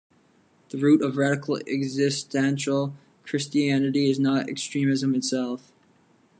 The root of radical existential Christianity is not extremism itself.